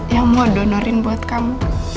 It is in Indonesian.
yang mua donorin buat kamu